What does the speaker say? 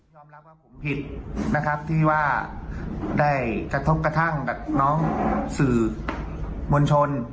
รับว่าผมผิดนะครับที่ว่าได้กระทบกระทั่งกับน้องสื่อมวลชน